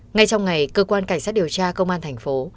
ngay trong ngày cơ quan cảnh sát điều tra công an thành phố